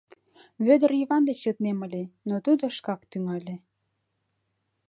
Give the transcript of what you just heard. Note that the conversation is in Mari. Вӧдыр Йыван деч йоднем ыле, но тудо шкак тӱҥале: